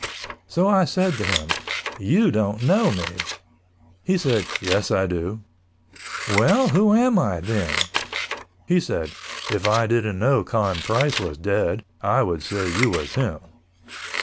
So I said to him, "You don't know me." He said, "Yes, I do." "Well, who am I then?" He said, "If I didn't know Con Price was dead, I would say you was him."